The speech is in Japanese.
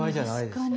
確かに。